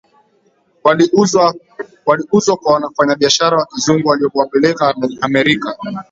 Waliuzwa kwa wafanyabiashara Wa kizungu waliowapeleka Amerika